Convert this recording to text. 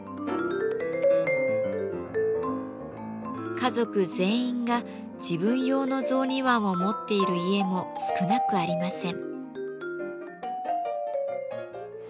家族全員が自分用の雑煮椀を持っている家も少なくありません。